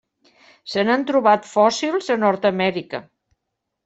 Se n'han trobat fòssils a Nord-amèrica.